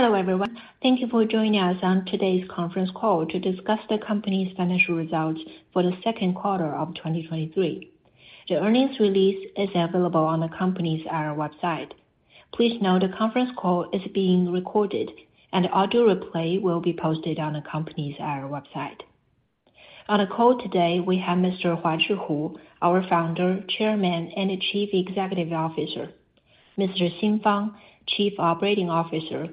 Hello, everyone, thank you for joining us on today's conference call to discuss the company's Financial Results or The Second Quarter of 2023. The earnings release is available on the company's website. Please note the conference call is being recorded, and the audio replay will be posted on the company's website. On the call today, we have Mr. Huazhi Hu, our Founder, Chairman and Chief Executive Officer, Mr. Xin Fang, Chief Operating Officer,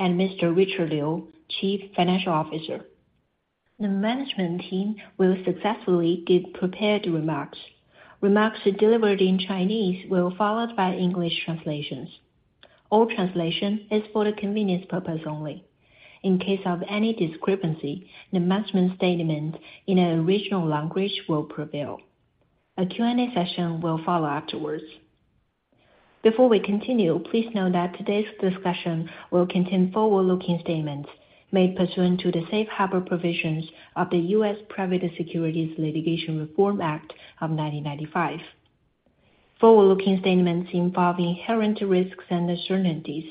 and Mr. Richard Liu, Chief Financial Officer. The management team will successfully give prepared remarks. Remarks delivered in Chinese will followed by English translations. All translation is for the convenience purpose only, in case of any discrepancy, the management statement in an original language will prevail. A Q&A session will follow afterwards. Before we continue, please note that today's discussion will contain forward-looking statements made pursuant to the safe harbor provisions of the U.S. Private Securities Litigation Reform Act of 1995. Forward-looking statements involving inherent risks and uncertainties.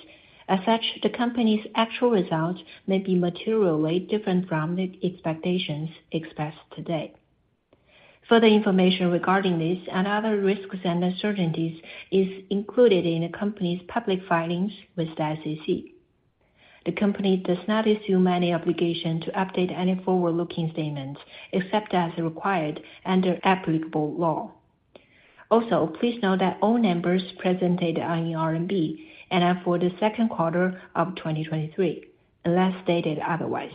The company's actual results may be materially different from the expectations expressed today. Further information regarding this and other risks and uncertainties is included in the company's public filings with the SEC. The company does not assume any obligation to update any forward-looking statements, except as required under applicable law. Please note that all numbers presented are in RMB and are for the second quarter of 2023, unless stated otherwise.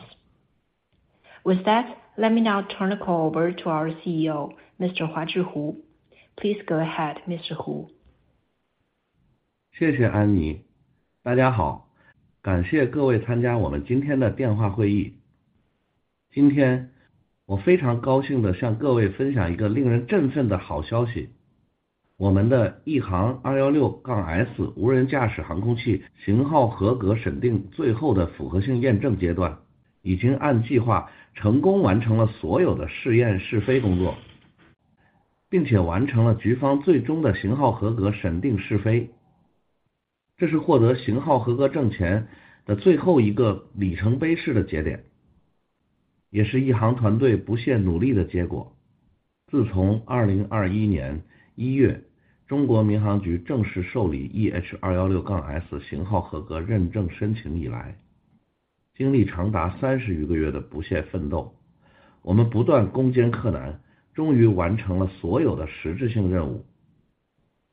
With that, let me now turn the call over to our CEO, Mr. Huazhi Hu. Please go ahead, Mr. Hu. 谢谢 Anne Ji。大家 好， 感谢各位参加我们今天的电话会议。今天我非常高兴地向各位分享一个令人振奋的好消 息， 我们的亿航二幺六杠 S 无人驾驶航空器型号合格审定最后的符合性验证阶 段， 已经按计划成功完成了所有的试验试飞工 作， 并且完成了局方最终的型号合格审定试飞。这是获得型号合格证前的最后一个里程碑式的节 点， 也是艺航团队不懈努力的结果。自从2021年1 月， 中国民航局正式受理 EH 二幺六杠 S 型号合格认证申请以来，经历长达三十余个月的不懈奋 斗， 我们不断攻坚克 难， 终于完成了所有的实质性任务。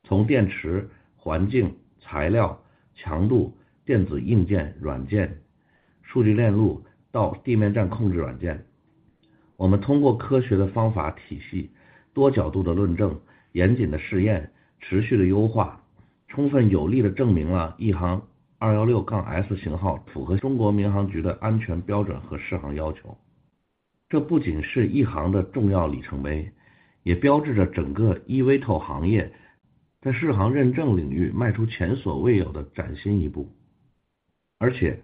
从电池、环境、材料强度、电子硬件、软件、数据链路到地面站控制软 件， 我们通过科学的方法、体 系， 多角度的论 证， 严谨的试 验， 持续的优 化， 充分有力地证明了艺航二幺六杠 S 型号符合中国民航局的安全标准和适航要求。这不仅是艺航的重要里程 碑， 也标志着整个 EVT 行业在适航认证领域迈出前所未有的崭新一步。而 且，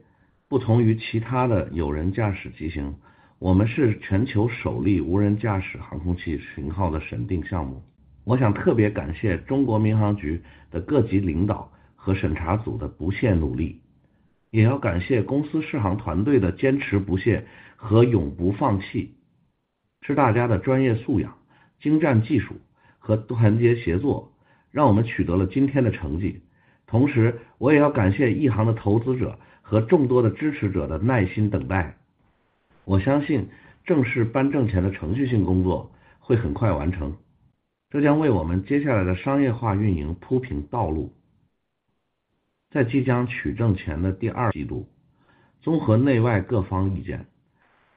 不同于其他的有人驾驶机 型， 我们是全球首例无人驾驶航空器型号的审定项目。我想特别感谢中国民航局的各级领导和审查组的不懈努 力， 也要感谢公司适航团队的坚持不懈和永不放弃。是大家的专业素养、精湛技术和团结协 作， 让我们取得了今天的成绩。同 时， 我也要感谢艺航的投资者和众多的支持者的耐心等待。我相信正式颁证前的程序性工作会很快完 成， 这将为我们接下来的商业化运营铺平道路。在即将取证前的第二季 度， 综合内外各方意 见，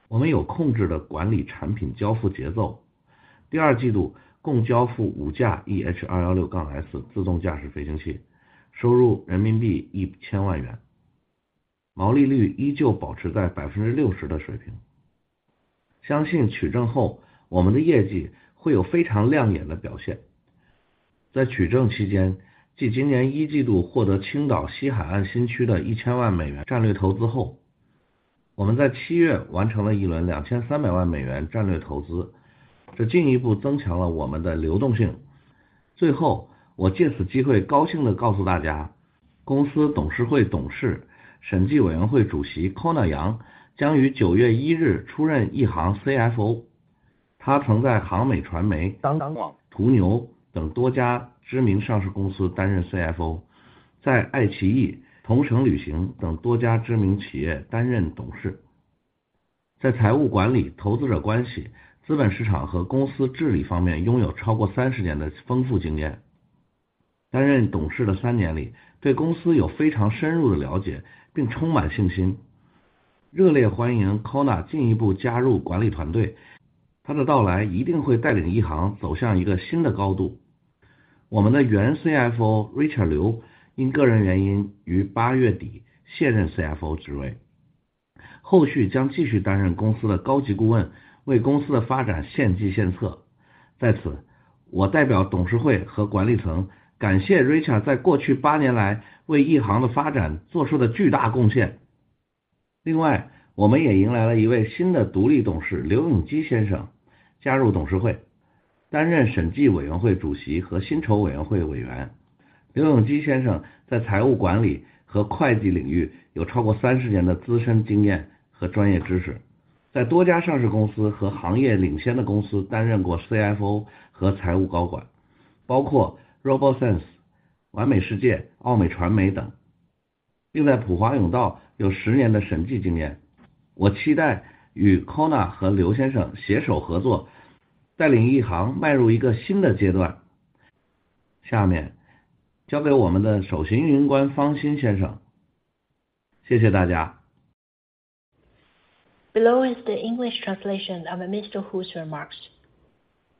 我们有控制地管理产品交付节 奏， 第二季度共交付五架 EH 二幺六杠 S 自动驾驶飞行 器， 收入人民币一千万 元， 毛利率依旧保持在百分之六十的水平。相信取证 后， 我们的业绩会有非常亮眼的表现。在取证期间，继今年一季度获得青岛西海岸新区的一千万美元战略投资 后， 我们在七月完成了一轮两千三百万美元战略投 资， 这进一步增强了我们的流动性。最 后， 我借此机会高兴地告诉大 家， 公司董事会董事、审计委员会主席 Conor Yang 将于9月1日出任艺航 CFO。他曾在航美传媒、当当网、途牛等多家知名上市公司担任 CFO， 在爱奇艺、同程旅行等多家知名企业担任董 事， 在财务管理、投资者关系、资本市场和公司治理方面拥有超过三十年的丰富经验。担任董事的三年 里， 对公司有非常深入的了解并充满信心。热烈欢迎 Kona 进一步加入管理团 队， 他的到来一定会带领艺航走向一个新的高度。我们的原 CFO Richard 刘因个人原因于八月底卸任 CFO 职 位， 后续将继续担任公司的高级顾 问， 为公司的发展献计献策。在 此， 我代表董事会和管理层感谢 Richard 在过去八年来为艺航的发展做出的巨大贡 献。... 我们也迎来了1位新的独立董 事， 刘永基先生加入董事会，担任审计委员会主席和薪酬委员会委员。刘永基先生在财务管理和会计领域有超过30年的资深经验和专业知 识， 在多家上市公司和行业领先的公司担任过 CFO 和财务高 管， 包括 RoboSense、完美世界、奥美传媒 等， 并在普华永道有10年的审计经验。我期待与 Connor 和刘先生携手合作，带领亿航迈入1个新的阶段。下面交给我们的首席运营官方欣先生。谢谢大 家！ Below is the English translation of Mr. Hu's remarks.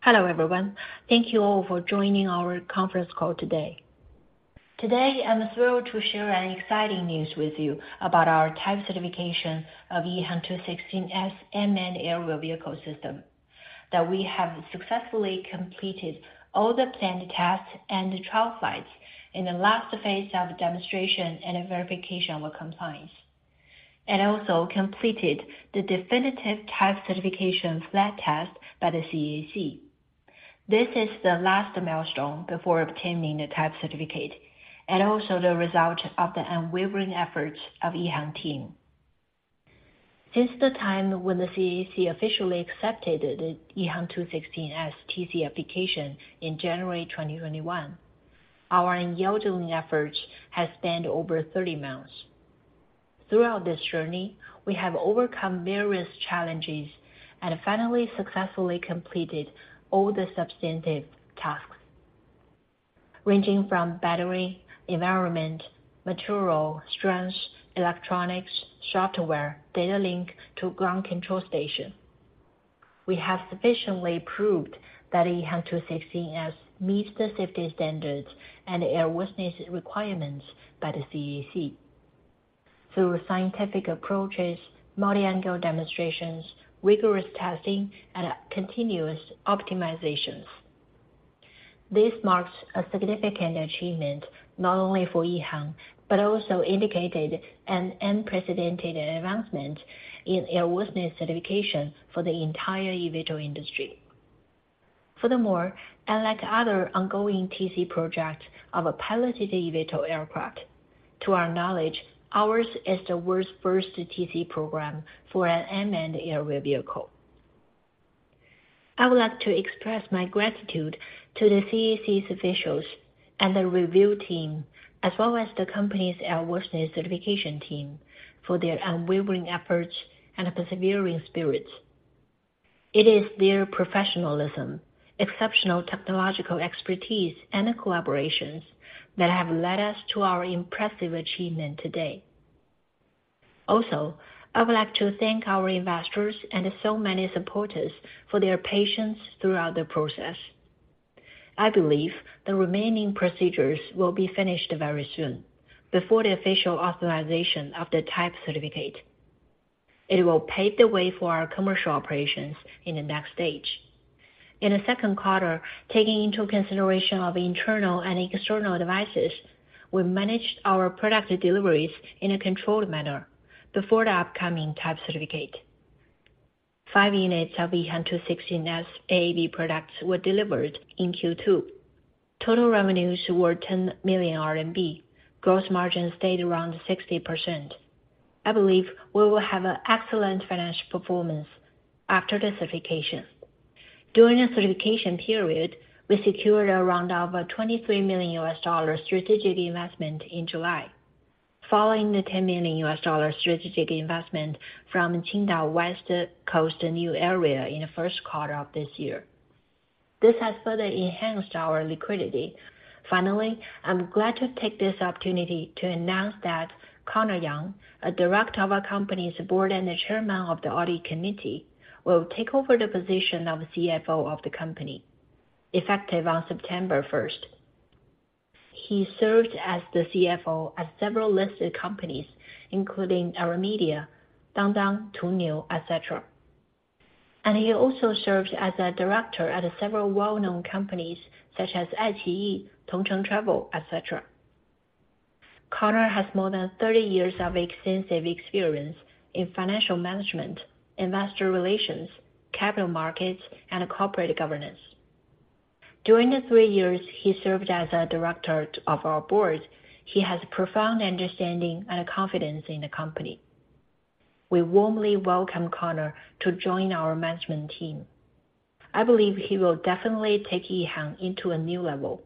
Hello, everyone. Thank you all for joining our conference call today. Today, I'm thrilled to share an exciting news with you about our type certification of EHang 216 S unmanned aerial vehicle system, that we have successfully completed all the planned tasks and the trial flights in the last phase of demonstration and verification with compliance, and also completed the definitive type certification flight test by the CAAC. This is the last milestone before obtaining the type certificate, and also the result of the unwavering efforts of EHang team. Since the time when the CAAC officially accepted the EHang 216 S TC application in January 2021, our unyielding efforts has spanned over 30 months. Throughout this journey, we have overcome various challenges and finally successfully completed all the substantive tasks, ranging from battery, environment, material, strength, electronics, software, data link to ground control station. We have sufficiently proved that EH216-S meets the safety standards and airworthiness requirements by the CAAC through scientific approaches, multi-angle demonstrations, rigorous testing, and continuous optimizations. This marks a significant achievement not only for EHang, but also indicated an unprecedented advancement in airworthiness certification for the entire eVTOL industry. Furthermore, unlike other ongoing TC projects of a piloted eVTOL aircraft, to our knowledge, ours is the world's first TC program for an unmanned aerial vehicle. I would like to express my gratitude to the CAAC's officials and the review team, as well as the company's airworthiness certification team, for their unwavering efforts and persevering spirits. It is their professionalism, exceptional technological expertise, and collaborations that have led us to our impressive achievement today. I would like to thank our investors and so many supporters for their patience throughout the process. I believe the remaining procedures will be finished very soon before the official authorization of the type certificate. It will pave the way for our commercial operations in the next stage. In the second quarter, taking into consideration of internal and external devices, we managed our product deliveries in a controlled manner before the upcoming type certificate. 5 units of EHang 216-S AAV products were delivered in Q2. Total revenues were 10 million RMB. Gross margin stayed around 60%. I believe we will have an excellent financial performance after the certification. During the certification period, we secured a round of $23 million strategic investment in July, following the $10 million strategic investment from Qingdao West Coast New Area in Q1 of this year. This has further enhanced our liquidity. Finally, I'm glad to take this opportunity to announce that Conor Yang, a Director of our company's board and the Chairman of the Audit Committee, will take over the position of CFO of the company, effective on September 1. He served as the CFO at several listed companies, including AirMedia, Dangdang, Tuniu, et cetera. He also served as a director at several well-known companies such as iQIYI, Tongcheng Travel, et cetera. Conor has more than 30 years of extensive experience in financial management, investor relations, capital markets, and corporate governance. During the three years, he served as a director of our board, he has a profound understanding and confidence in the company. We warmly welcome Conor to join our management team. I believe he will definitely take EHang into a new level.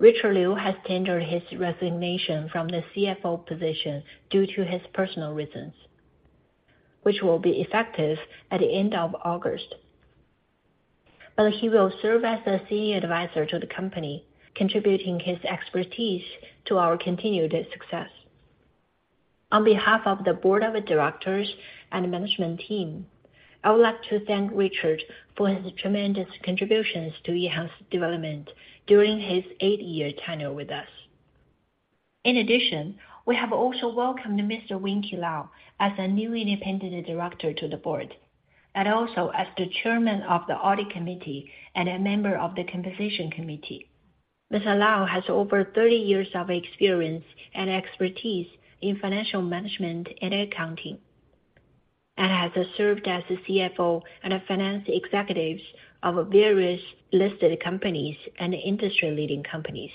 Richard Liu has tendered his resignation from the CFO position due to his personal reasons, which will be effective at the end of August, but he will serve as a senior advisor to the company, contributing his expertise to our continued success. On behalf of the board of directors and management team, I would like to thank Richard for his tremendous contributions to EHang's development during his eight-year tenure with us. In addition, we have also welcomed Mr. Winky Lau as a new independent director to the board, and also as the Chairman of the Audit Committee and a member of the Compensation Committee.... Mr. Lau has over 30 years of experience and expertise in financial management and accounting, and has served as the CFO and finance executives of various listed companies and industry-leading companies,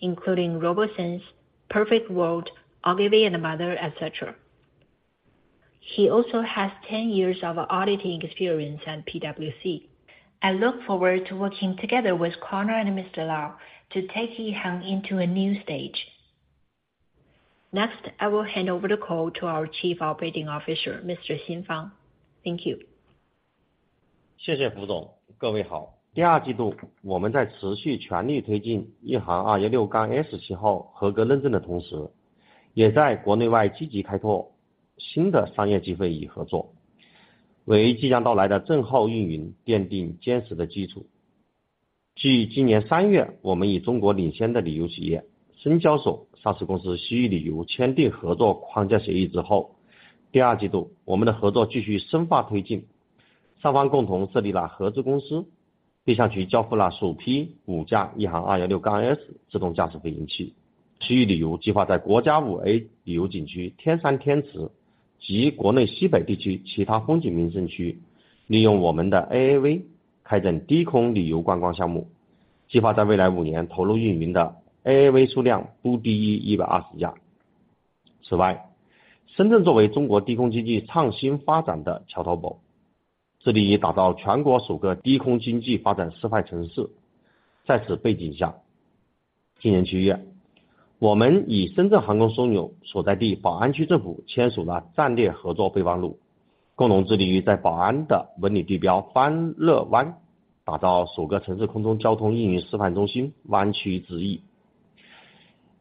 including RoboSense, Perfect World, Ogilvy and Mather, et cetera. He also has 10 years of auditing experience at PwC. I look forward to working together with Conor and Mr. Lau to take EHang into a new stage. Next, I will hand over the call to our Chief Operating Officer, Mr. Xin Fang. Thank you. 谢谢 Huazhi Hu。各位 好！ 第二季 度， 我们在持续全力推进一航二幺六杠 S 型号合格认证的同 时， 也在国内外积极开拓新的商业机会与合 作， 为即将到来的证后运营奠定坚实的基础。继今年三 月， 我们与中国领先的旅游企业深交所上市公司西域旅游签订合作框架协议之 后， 第二季度我们的合作继续深化推 进， 双方共同设立了合资公 司， 并相继交付了首批五架一航二幺六杠 S 自动驾驶飞行器。西域旅游计划在国家五 A 旅游景区天山天池及国内西北地区其他风景名胜 区， 利用我们的 AAV 开展低空旅游观光项 目， 计划在未来五年投入运营的 AAV 数量不低于一百二十架。此 外， 深圳作为中国低空经济创新发展的桥头 堡， 致力已打造全国首个低空经济发展示范城市。在此背景 下， 今年七月，我们与深圳航空枢纽所在地宝安区政府签署了战略合作备忘 录， 共同致力于在宝安的文旅地标欢乐 湾， 打造首个城市空中交通运营示范中心--湾区之 翼，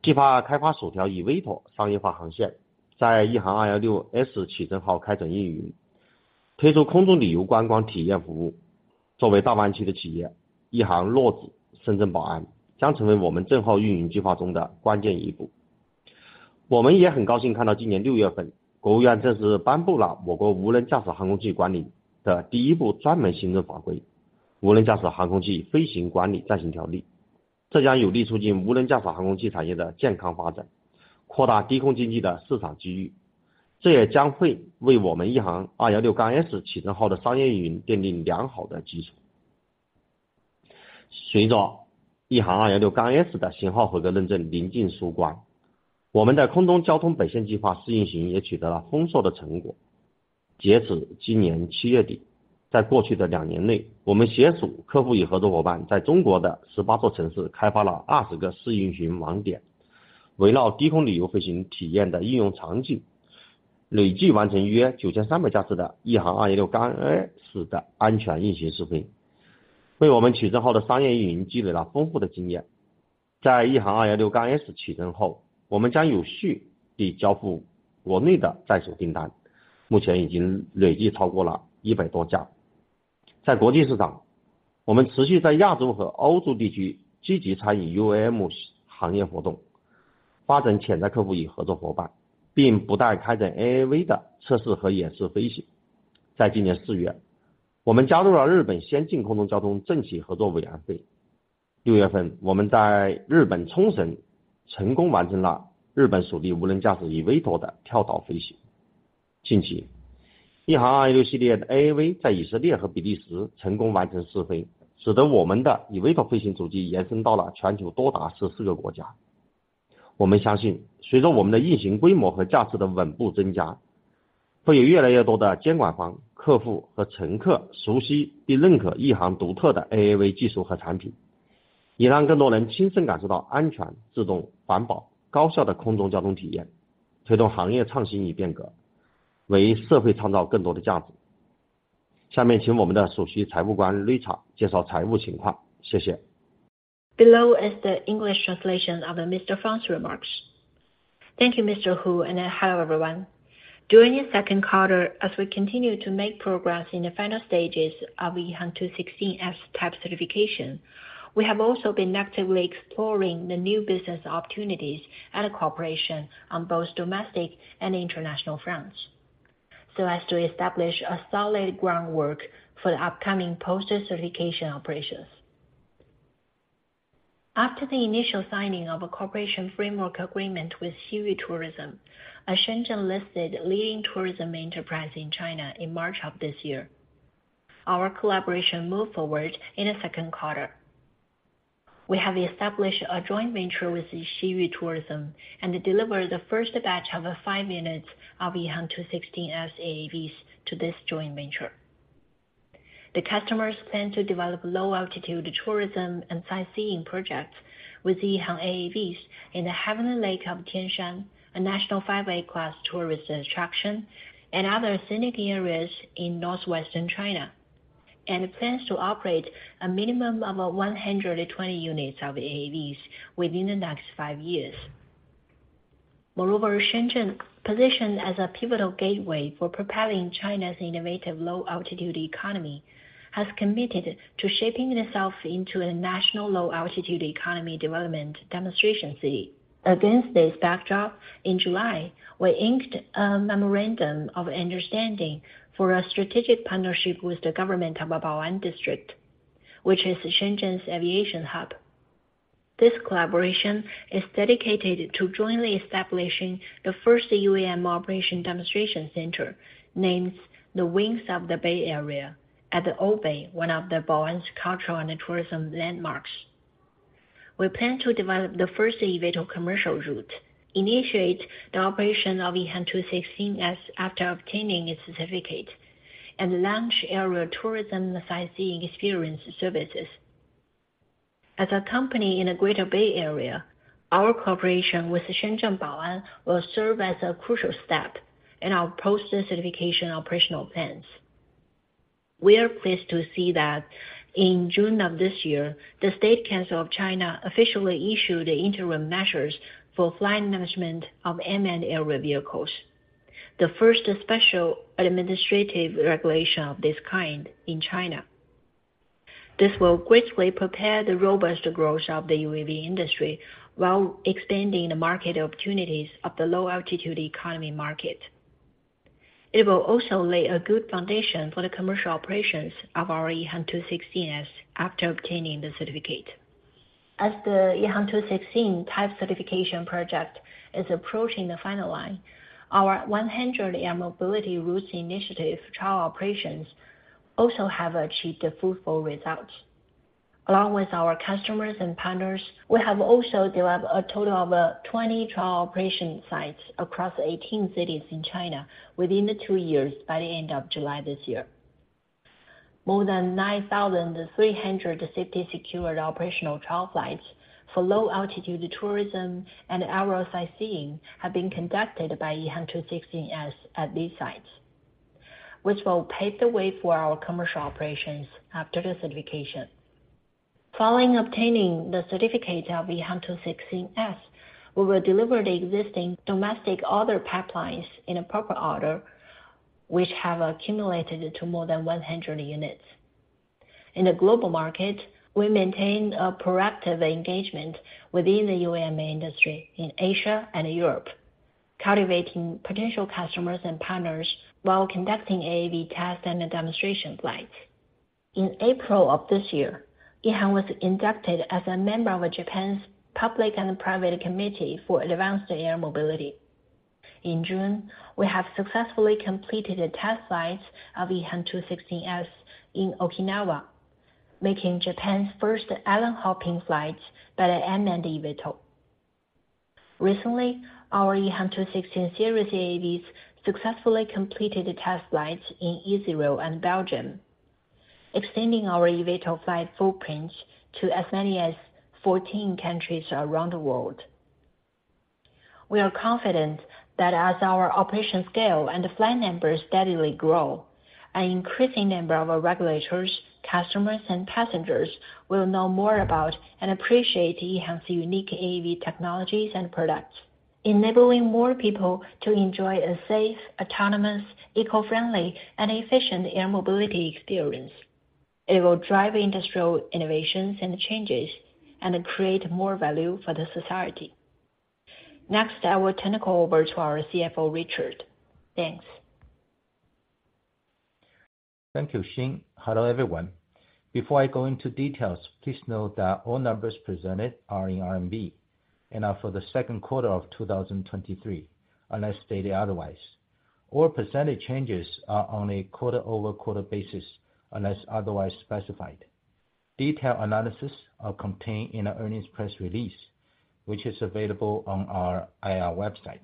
计划开发首条 EVTOL 商业化航 线， 在一航二幺六 S 起征号开展运 营， 推出空中旅游观光体验服务。作为大湾区的企 业， 一航落子深圳宝安将成为我们郑后运营计划中的关键一步。我们也很高兴看 到， 今年六月 份， 国务院正式颁布了我国无人驾驶航空器管理的第一部专门行政法 规， 无人驾驶航空器飞行管理暂行条 例， 这将有力促进无人驾驶航空器产业的健康发 展， 扩大低空经济的市场机 遇， 这也将会为我们一航二幺六杠 S 起征后的商业运营奠定良好的基础。随着一航二幺六杠 S 的型号合格认证临近收 官， 我们在空中交通本线计划试运行也取得了丰硕的成果。截止今年七月 底， 在过去的两年 内， 我们携手客户与合作伙 伴， 在中国的十八座城市开发了二十个试运行网 点， 围绕低空旅游飞行体验的应用场 景， 累计完成约九千三百架次的一航二幺六杠 S 的安全运行试 飞， 为我们起征后的商业运营积累了丰富的经验。在一航二幺六杠 S 起征 后， 我们将有序地交付国内的在手订 单， 目前已经累计超过了一百多架。在国际市 场， 我们持续在亚洲和欧洲地区积极参与 UAM 行业活 动， 发展潜在客户与合作伙 伴， 并不断开展 AAV 的测试和演示飞行。在今年四月，我们加入了日本先进空中交通政企合作委员会。六月 份， 我们在日本冲绳成功完成了日本首例无人驾驶 EVTOL 的跳岛飞行。近 期， 一航二幺六系列的 AAV 在以色列和比利时成功完成试 飞， 使得我们的 EVTOL 飞行主机延伸到了全球多达十四个国家。我们相 信， 随着我们的运行规模和架次的稳步增 加， 会有越来越多的监管方、客户和乘客熟悉并认可一航独特的 AAV 技术和产 品， 也让更多人亲身感受到安全、自动、环保、高效的空中交通体 验， 推动行业创新与变 革， 为社会创造更多的价值。下面请我们的首席财务官 Richard 介绍财务情况。谢谢。Below is the English translation of Mr. Fang's remarks. Thank you, Mr. Hu. Hello, everyone. During the second quarter, as we continue to make progress in the final stages of EH216 type certification, we have also been actively exploring the new business opportunities and cooperation on both domestic and international fronts, so as to establish a solid groundwork for the upcoming post-certification operations. After the initial signing of a cooperation framework agreement with Xiyu Tourism, a Shenzhen-listed leading tourism enterprise in China in March of this year, our collaboration moved forward in the second quarter. We have established a joint venture with Xiyu Tourism and delivered the first batch of 5 units of EHang EH216 AAVs to this joint venture. The customers plan to develop low-altitude tourism and sightseeing projects with the EHang AAVs in the Heavenly Lake of Tianshan, a national five-A class tourist attraction, and other scenic areas in northwestern China, and plans to operate a minimum of 120 units of AAVs within the next 5 years. Moreover, Shenzhen, positioned as a pivotal gateway for propelling China's innovative low-altitude economy, has committed to shaping itself into a national low-altitude economy development demonstration city. Against this backdrop, in July, we inked a memorandum of understanding for a strategic partnership with the government of Bao'an District, which is Shenzhen's aviation hub.... This collaboration is dedicated to jointly establishing the first UAM operation demonstration center, named The Wings of the Bay Area, at the OH BAY, one of the Bao'an's cultural and tourism landmarks. We plan to develop the first eVTOL commercial route, initiate the operation of EH216-S after obtaining its certificate, and launch aerial tourism sightseeing experience services. As a company in the Greater Bay Area, our cooperation with the Shenzhen Bao'an District will serve as a crucial step in our post-certification operational plans. We are pleased to see that in June of this year, the State Council of China officially issued the Interim Measures for the Flight Management of Unmanned Aerial Vehicles, the first special administrative regulation of this kind in China. This will greatly prepare the robust growth of the UAV industry while expanding the market opportunities of the low-altitude economy market. It will also lay a good foundation for the commercial operations of our EH216-S after obtaining the certificate. As the EH216 type certification project is approaching the final line, our one hundred air mobility routes initiative trial operations also have achieved fruitful results. Along with our customers and partners, we have also developed a total of 20 trial operation sites across 18 cities in China within the 2 years by the end of July this year. More than 9,300 safety secured operational trial flights for low altitude tourism and aerial sightseeing have been conducted by EH216-S at these sites, which will pave the way for our commercial operations after the certification. Following obtaining the certificate of EH216-S, we will deliver the existing domestic order pipelines in a proper order, which have accumulated to more than 100 units. In the global market, we maintain a proactive engagement within the UAM industry in Asia and Europe, cultivating potential customers and partners while conducting AAV test and demonstration flights. In April of this year, EHang was inducted as a member of Japan's Public and Private Committee for Advanced Air Mobility. In June, we have successfully completed the test flights of EH216S in Okinawa, making Japan's first island-hopping flights by the unmanned eVTOL. Recently, our EH216 series AAVs successfully completed the test flights in Israel and Belgium, extending our eVTOL flight footprints to as many as 14 countries around the world. We are confident that as our operation scale and flight numbers steadily grow, an increasing number of our regulators, customers, and passengers will know more about and appreciate EHang's unique AAV technologies and products, enabling more people to enjoy a safe, autonomous, eco-friendly and efficient air mobility experience. It will drive industrial innovations and changes and create more value for the society. Next, I will turn the call over to our CFO, Richard. Thanks. Thank you, Xin. Hello, everyone. Before I go into details, please note that all numbers presented are in RMB and are for the second quarter of 2023, unless stated otherwise. All percentage changes are on a quarter-over-quarter basis, unless otherwise specified. Detailed analysis are contained in our earnings press release, which is available on our IR website.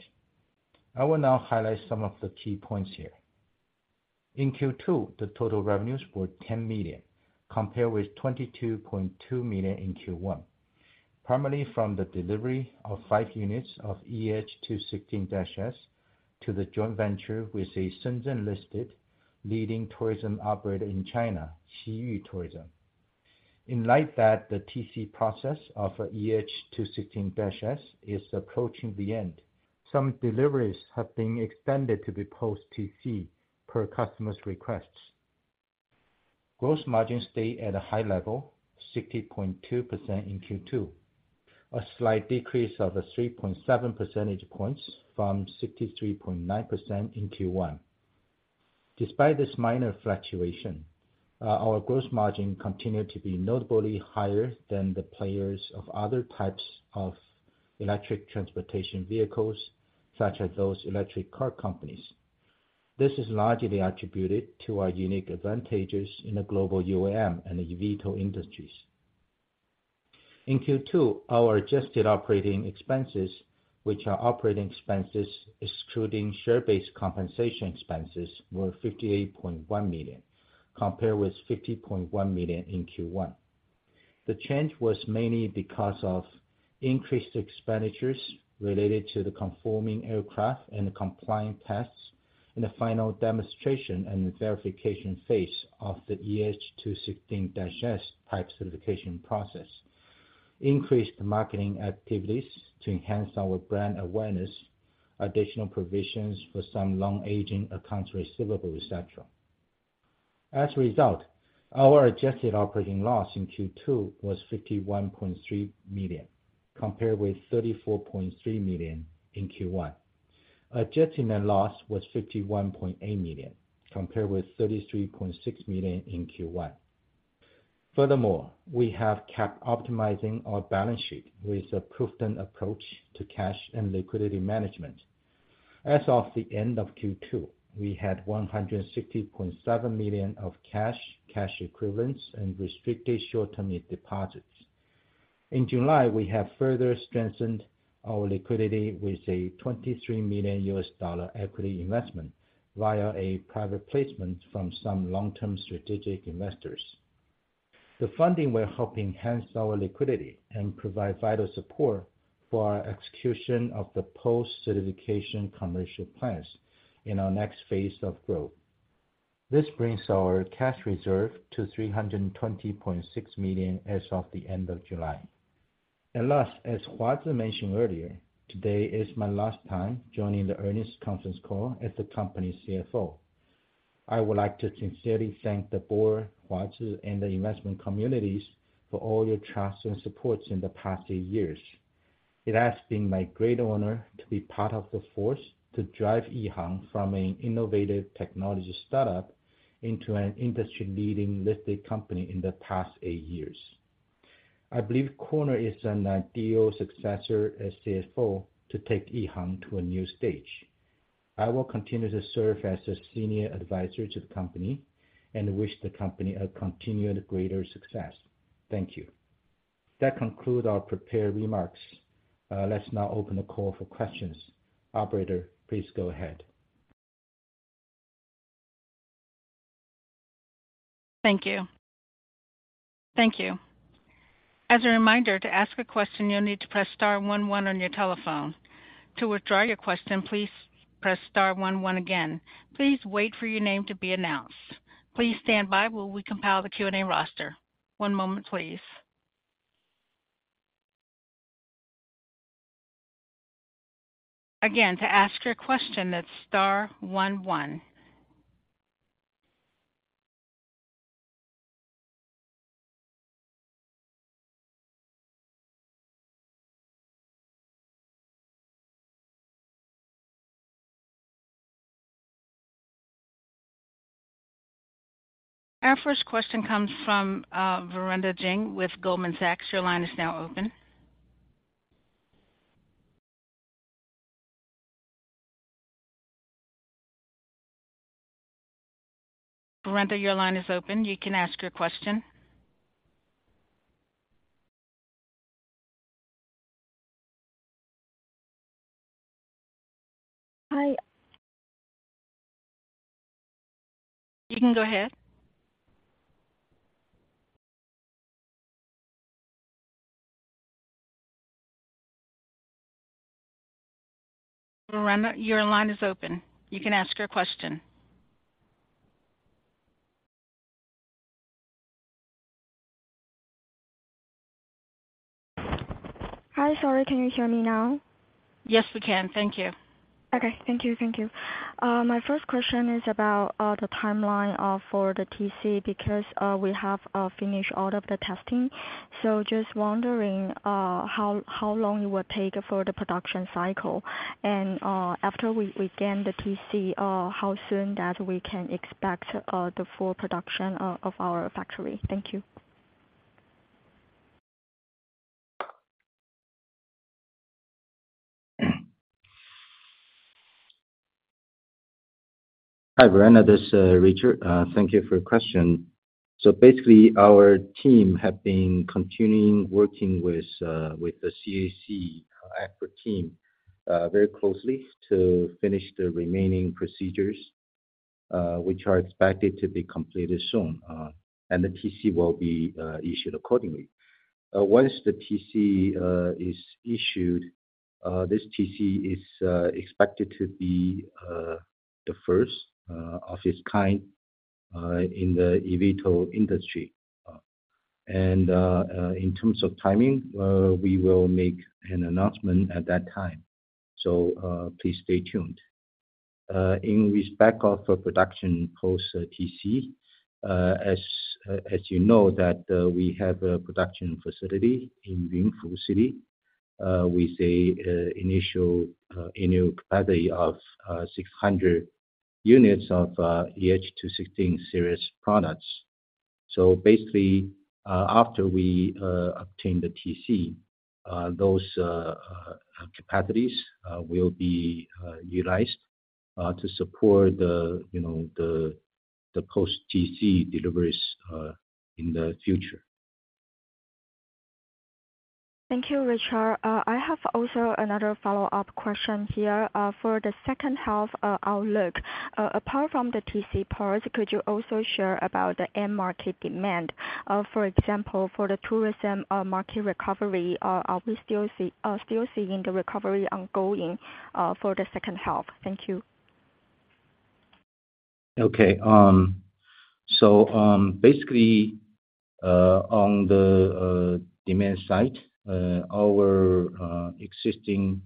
I will now highlight some of the key points here. In Q2, the total revenues were 10 million, compared with 22.2 million in Q1, primarily from the delivery of 5 units of EH216-S to the joint venture with a Shenzhen-listed leading tourism operator in China, Xiyu Tourism. In light that the TC process of EH216-S is approaching the end, some deliveries have been extended to be post TC per customer's requests. Gross margin stayed at a high level, 60.2% in Q2, a slight decrease of 3.7 percentage points from 63.9% in Q1. Despite this minor fluctuation, our gross margin continued to be notably higher than the players of other types of electric transportation vehicles, such as those electric car companies. This is largely attributed to our unique advantages in the global UAM and the eVTOL industries. In Q2, our adjusted operating expenses, which are operating expenses, excluding share-based compensation expenses, were 58.1 million, compared with 50.1 million in Q1. The change was mainly because of increased expenditures related to the conforming aircraft and the compliant tests in the final demonstration and verification phase of the EH216-S type certification process, increased marketing activities to enhance our brand awareness, additional provisions for some long-aging accounts receivable, et cetera. As a result, our adjusted operating loss in Q2 was 51.3 million, compared with 34.3 million in Q1. Adjusting net loss was 51.8 million, compared with 33.6 million in Q1. Furthermore, we have kept optimizing our balance sheet with a prudent approach to cash and liquidity management. As of the end of Q2, we had 160.7 million of cash, cash equivalents and restricted short-term deposits. In July, we have further strengthened our liquidity with a $23 million equity investment via a private placement from some long-term strategic investors. The funding will help enhance our liquidity and provide vital support for our execution of the post-certification commercial plans in our next phase of growth. This brings our cash reserve to 320.6 million as of the end of July. At last, as Huazhi mentioned earlier, today is my last time joining the earnings conference call as the company's CFO. I would like to sincerely thank the board, Huazhi, and the investment communities for all your trust and supports in the past eight years. It has been my great honor to be part of the force to drive EHang from an innovative technology startup into an industry-leading listed company in the past eight years. I believe Conor is an ideal successor as CFO to take EHang to a new stage. I will continue to serve as a senior advisor to the company and wish the company a continued greater success. Thank you. That conclude our prepared remarks. Let's now open the call for questions. Operator, please go ahead. Thank you. Thank you. As a reminder, to ask a question, you'll need to press star one one on your telephone. To withdraw your question, please press star one one again. Please wait for your name to be announced. Please stand by while we compile the Q&A roster. One moment, please. Again, to ask your question, that's star one one. Our first question comes from Veronica Jiang with Goldman Sachs. Your line is now open. Veronica, your line is open. You can ask your question. Hi. You can go ahead. Veronica, your line is open. You can ask your question. Hi, sorry, can you hear me now? Yes, we can. Thank you. Okay, thank you, thank you. My first question is about the timeline for the TC, because we have finished all of the testing. Just wondering how, how long it would take for the production cycle? After we, we gain the TC, how soon that we can expect the full production of our factory? Thank you. Hi, Veronica, this is Richard. Thank you for your question. Basically, our team have been continuing working with the CAAC expert team very closely to finish the remaining procedures, which are expected to be completed soon, and the TC will be issued accordingly. Once the TC is issued, this TC is expected to be the first of its kind in the eVTOL industry. In terms of timing, we will make an announcement at that time. Please stay tuned. In respect of the production post TC, as you know, that we have a production facility in Yunfu City with an initial annual capacity of 600 units of EH216 series products. Basically, after we obtain the TC, those capacities will be utilized to support the, you know, the post-TC deliveries in the future. Thank you, Richard. I have also another follow-up question here. For the second half, outlook, apart from the TC part, could you also share about the end market demand? For example, for the tourism, market recovery, are we still seeing the recovery ongoing for the second half? Thank you. Okay. Basically, on the demand side, our existing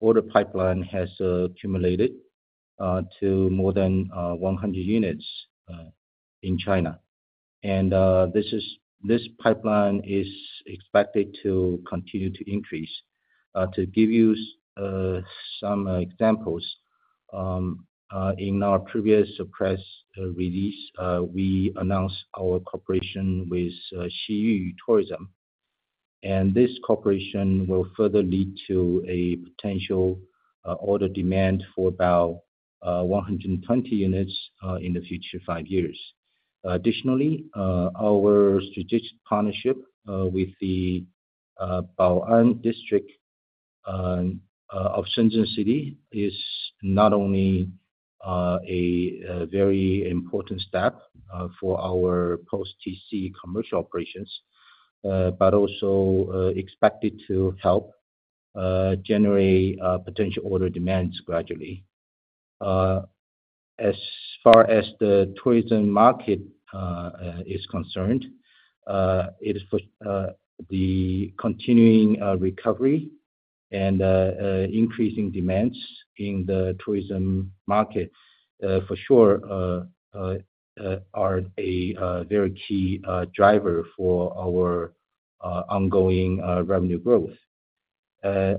order pipeline has accumulated to more than 100 units in China. This is, this pipeline is expected to continue to increase. To give you some examples, in our previous press release, we announced our cooperation with Xiyu Tourism. This cooperation will further lead to a potential order demand for about 120 units in the future 5 years. Additionally, our strategic partnership with the Bao'an District of Shenzhen City is not only a very important step for our post TC commercial operations, but also expected to help generate potential order demands gradually. As far as the tourism market is concerned, the continuing recovery and increasing demands in the tourism market, for sure, are a very key driver for our ongoing revenue growth.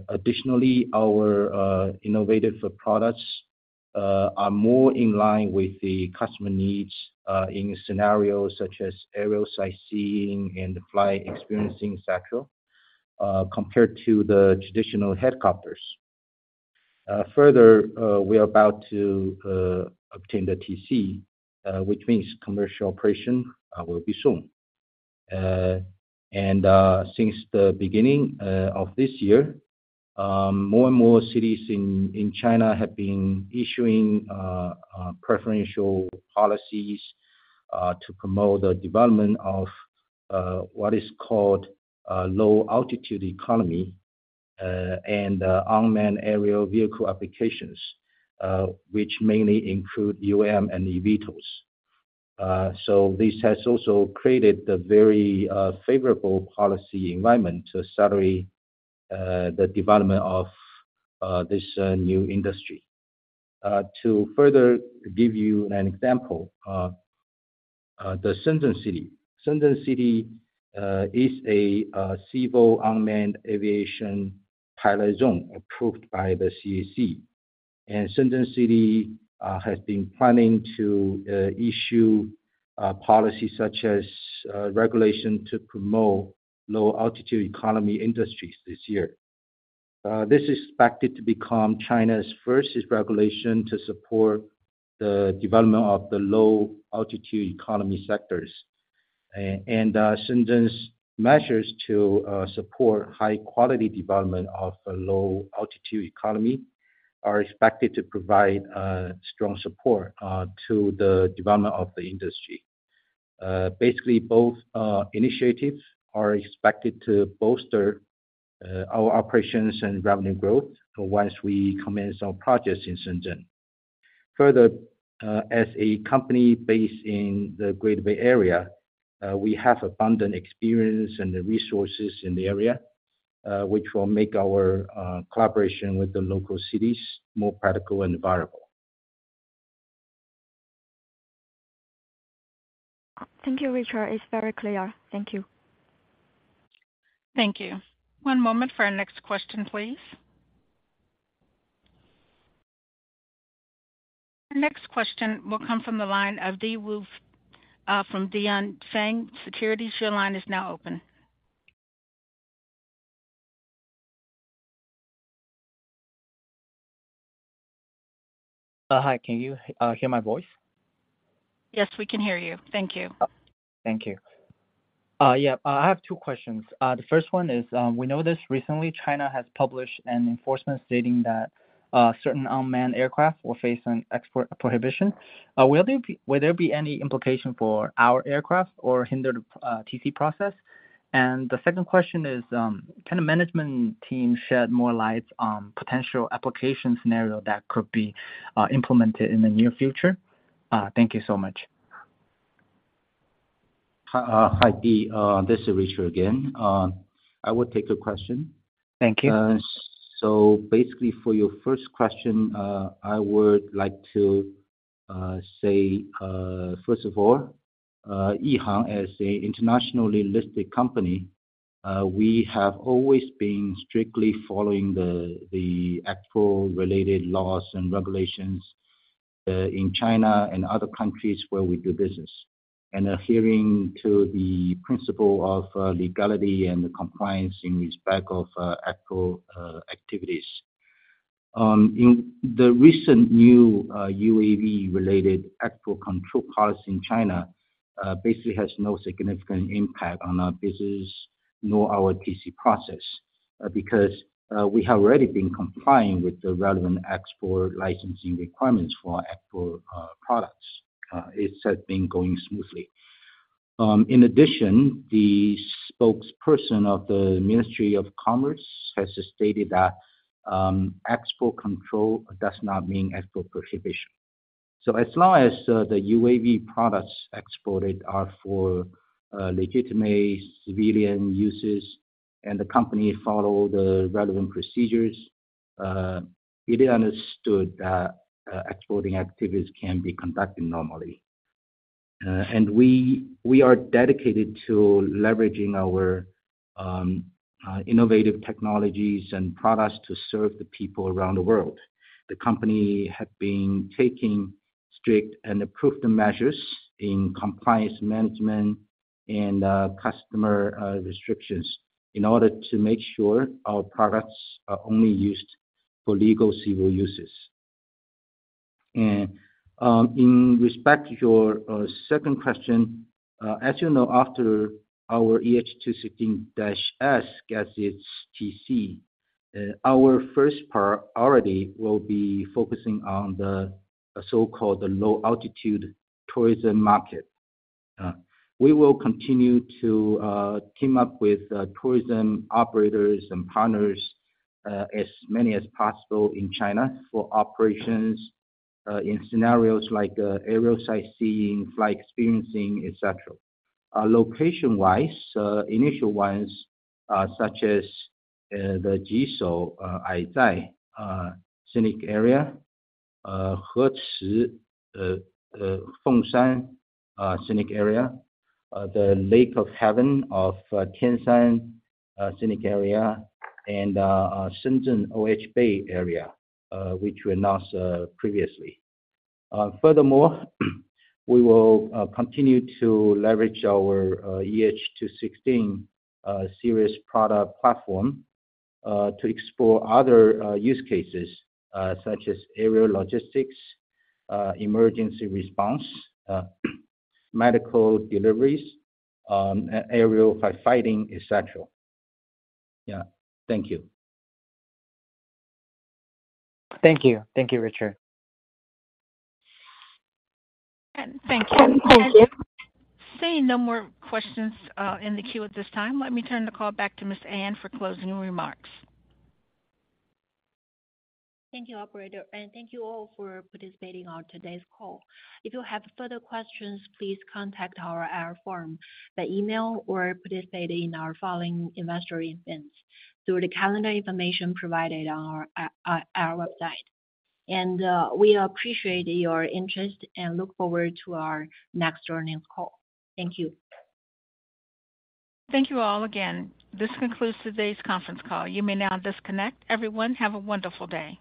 Additionally, our innovative products are more in line with the customer needs in scenarios such as aerial sightseeing and flight experiencing, et cetera, compared to the traditional helicopters. Further, we are about to obtain the TC, which means commercial operation will be soon. Since the beginning of this year, more and more cities in China have been issuing preferential policies to promote the development of what is called a low-altitude economy and unmanned aerial vehicle applications, which mainly include UAM and eVTOLs. So this has also created the very favorable policy environment to accelerate the development of this new industry. To further give you an example, the Shenzhen City. Shenzhen City is a civil unmanned aviation pilot zone approved by the CAAC. Shenzhen City has been planning to issue policies such as regulation to promote low-altitude economy industries this year. This is expected to become China's first regulation to support the development of the low-altitude economy sectors. Shenzhen's measures to support high quality development of a low-altitude economy, are expected to provide strong support to the development of the industry. Basically, both initiatives are expected to bolster our operations and revenue growth once we commence our projects in Shenzhen. Further, as a company based in the Greater Bay Area, we have abundant experience and the resources in the area, which will make our collaboration with the local cities more practical and viable. Thank you, Richard. It's very clear. Thank you. Thank you. One moment for our next question, please. Our next question will come from the line of Di Wu, from Tianfeng Securities. Your line is now open. Hi, can you hear my voice? Yes, we can hear you. Thank you. Thank you. I have two questions. The first one is, we noticed recently China has published an enforcement stating that certain unmanned aircraft will face an export prohibition. Will there be, will there be any implication for our aircraft or hinder the TC process? The second question is, can the management team shed more light on potential application scenario that could be implemented in the near future? Thank you so much. Hi, hi, Di. This is Richard again. I will take the question. Thank you. Basically, for your first question, I would like to say, first of all, EHang as a internationally listed company, we have always been strictly following the export related laws and regulations in China and other countries where we do business, and adhering to the principle of legality and compliance in respect of export activities. In the recent new UAV-related export control policy in China, basically has no significant impact on our business, nor our TC process, because we have already been complying with the relevant export licensing requirements for our export products. It has been going smoothly. In addition, the spokesperson of the Ministry of Commerce has stated that export control does not mean export prohibition. As long as the UAV products exported are for-... legitimate civilian uses, the company follow the relevant procedures, it is understood that exporting activities can be conducted normally. we, we are dedicated to leveraging our innovative technologies and products to serve the people around the world. The company have been taking strict and approved measures in compliance management and customer restrictions in order to make sure our products are only used for legal civil uses. in respect to your second question, as you know, after our EH216-S gets its TC, our first priority will be focusing on the so-called low altitude tourism market. we will continue to team up with tourism operators and partners as many as possible in China for operations in scenarios like aerial sightseeing, flight experiencing, et cetera. Location wise, initial ones are such as the Jishou Aizhai scenic area, Hechi Fengshan scenic area, the Heavenly Lake of Tianshan scenic area, and Shenzhen OH Bay, which we announced previously. Furthermore, we will continue to leverage our EH216 series product platform to explore other use cases, such as aerial logistics, emergency response, medical deliveries, aerial firefighting, et cetera. Yeah. Thank you. Thank you. Thank you, Richard. Thank you. Thank you. Seeing no more questions, in the queue at this time, let me turn the call back to Ms. Anne for closing remarks. Thank you, operator, and thank you all for participating on today's call. If you have further questions, please contact our IR firm by email or participate in our following investor events through the calendar information provided on our website. We appreciate your interest and look forward to our next earnings call. Thank you. Thank you all again. This concludes today's conference call. You may now disconnect. Everyone, have a wonderful day.